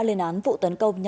giá trị cao